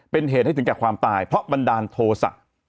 เป็นเหตุให้ถึงแก่ความตายเพราะบันดาลโทษะ